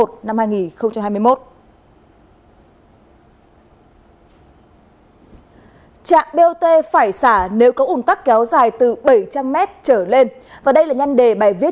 trạm bot phải xả nếu có ủn tắc kéo dài từ bảy trăm linh m trở lên và đây là nhân đề bài viết